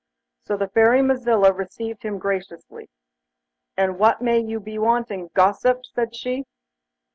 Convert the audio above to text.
So the Fairy Mazilla received him graciously. 'And what may you be wanting, Gossip?' said she.